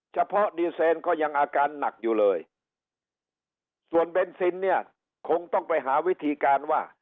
เฉพาะดีเซนก็ยังอาการหนักอยู่เลยส่วนเบนซินเนี่ยคงต้องไปหาวิธีการว่า